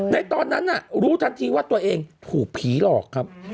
ในตอนนั้นรู้ทันทีว่าตัวเองถูกผีหลอกครับ